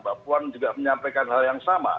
mbak puan juga menyampaikan hal yang sama